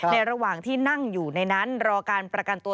ระหว่างที่นั่งอยู่ในนั้นรอการประกันตัว